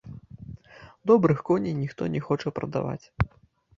Добрых коней ніхто не хоча прадаваць.